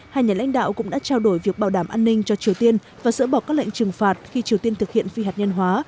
hai nhà lãnh đạo cũng đã trao đổi việc bảo đảm an ninh cho triều tiên và dỡ bỏ các lệnh trừng phạt khi triều tiên thực hiện phi hạt nhân hóa